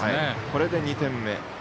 これで２点目。